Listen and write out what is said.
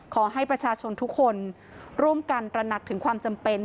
ขอให้ประชาชนทุกคนร่วมกันตระหนักถึงความจำเป็น